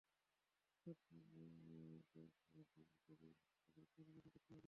মাটির নিচে হওয়ায় সেখান থেকে বেরিয়ে আসাটা লোকজনের জন্য কঠিন হয়ে পড়ে।